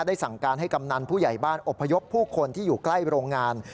สั่งการให้กำนันผู้ใหญ่บ้านอบพยพผู้คนที่อยู่ใกล้โรงงาน